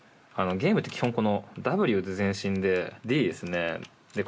ゲームって基本この「Ｗ」で前進で「Ｄ」ですねで